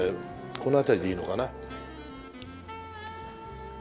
この辺りでいいのかな。